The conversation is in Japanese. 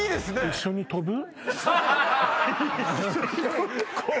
一緒に飛ぶ？